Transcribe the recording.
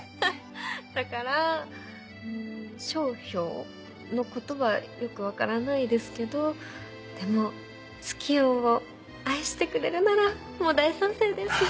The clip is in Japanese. だから商標？のことはよく分からないですけどでもツキヨンを愛してくれるならもう大賛成です。